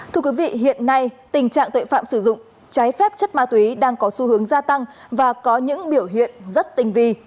thưa quý vị hiện nay tình trạng tội phạm sử dụng trái phép chất ma túy đang có xu hướng gia tăng và có những biểu hiện rất tinh vi